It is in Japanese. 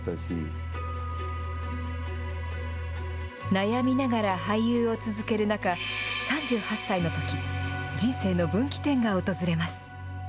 悩みながら俳優を続ける中、３８歳のとき、人生の分岐点が訪れます。